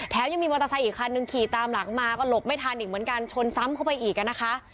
ยังมีมอเตอร์ไซค์อีกคันนึงขี่ตามหลังมาก็หลบไม่ทันอีกเหมือนกันชนซ้ำเข้าไปอีกอ่ะนะคะ